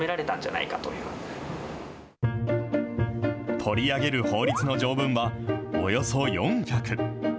取り上げる法律の条文はおよそ４００。